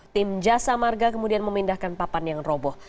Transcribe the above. tim jasa marga kemudian memindahkan papan yang roboh